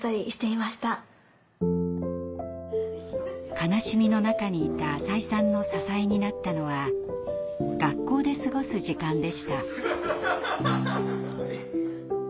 悲しみの中にいた浅井さんの支えになったのは学校で過ごす時間でした。